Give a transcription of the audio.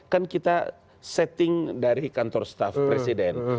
kan kita setting dari kantor staff presiden